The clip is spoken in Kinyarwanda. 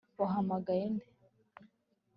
Wahamagaye nde